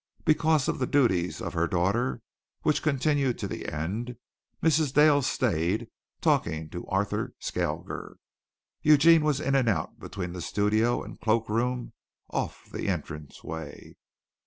Because of the duties of her daughter, which continued to the end, Mrs. Dale stayed, talking to Arthur Skalger. Eugene was in and out between the studio and cloak room off the entry way.